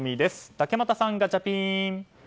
竹俣さん、ガチャピン！